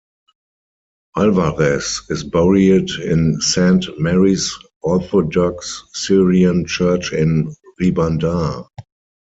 Alvares is buried in Saint Mary's Orthodox Syrian Church in Ribandar.